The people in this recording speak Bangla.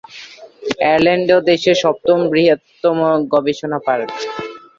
অরল্যান্ডো দেশের সপ্তম বৃহত্তম গবেষণা পার্ক।